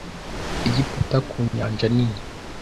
Egiputa ku Nyanja Nini